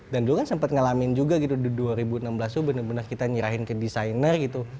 dan lo kan sempat ngalamin juga gitu di dua ribu enam belas itu bener bener kita nyerahin ke desainer gitu